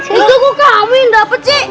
ini kok kamu yang dapet cik